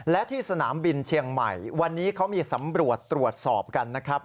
และที่สนามบินเชียงใหม่วันนี้เขามีสำรวจตรวจสอบกันนะครับ